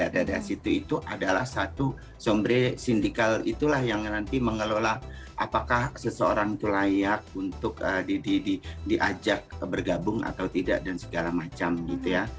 dari situ itu adalah satu sombre sindikal itulah yang nanti mengelola apakah seseorang itu layak untuk diajak bergabung atau tidak dan segala macam gitu ya